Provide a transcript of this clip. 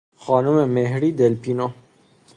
خانم مهری دلپینو